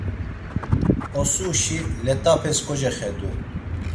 Osuşi let̆apes kocexedu.